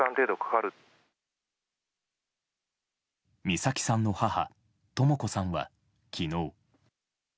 美咲さんの母とも子さんは昨日。